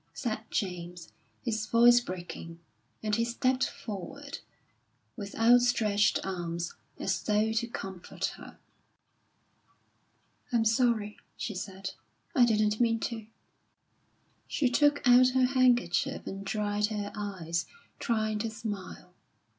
said James, his voice breaking; and he stepped forward, with outstretched arms, as though to comfort her. "I'm sorry," she said; "I didn't mean to." She took out her handkerchief and dried her eyes, trying to smile.